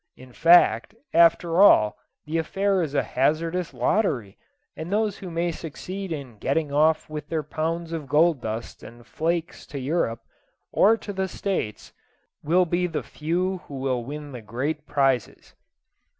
In fact, after all, the affair is a hazardous lottery; and those who may succeed in getting off with their pounds of gold dust and flakes to Europe, or to the States, will be the few who will win the great prizes.